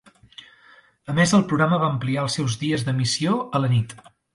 A més el programa va ampliar els seus dies d'emissió a la nit.